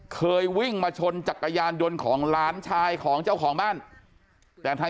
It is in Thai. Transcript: เคยวิ่งมาชนจักรยานยนต์ของหลานชายของเจ้าของบ้านแต่ทาง